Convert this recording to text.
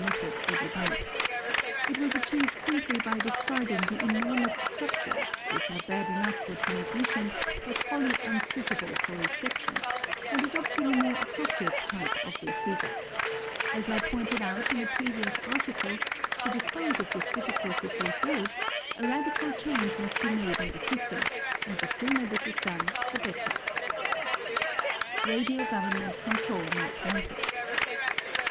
But I am satisfied that some method or device, by discarding the enormous structures, which are bad enough for transmission but wholly unsuitable for reception, and adopt ing a more appropriate type of receiver. As I pointed out in a previous article, to dispose of this difficulty for good, a radical change must be made in the system, and the sooner this is done the better. Radio Government Control Not Wanted.